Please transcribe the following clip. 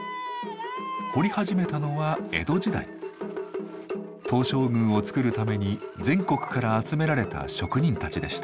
彫り始めたのは江戸時代東照宮を造るために全国から集められた職人たちでした。